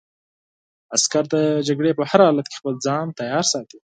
عسکر د جګړې په هر حالت کې خپل ځان تیار ساتي.